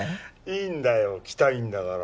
いいんだよ来たいんだから。